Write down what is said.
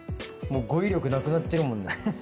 もう語彙力なくなってるもんね。